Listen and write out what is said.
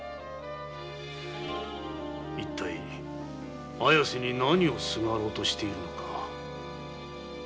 一体綾瀬に何をすがろうとしているのか？